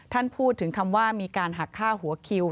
ท่านพูดถึงคำว่ามีการหักฆ่าหัวคิว